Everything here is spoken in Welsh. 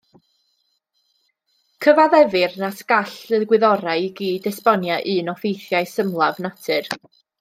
Cyfaddefir nas gall y gwyddorau i gyd esbonio un o ffeithiau symlaf natur.